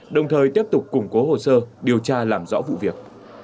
đồng thời tiếp tục củng cố hồ sơ điều tra làm rõ vụ việc